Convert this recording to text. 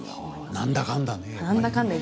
何だかんだね。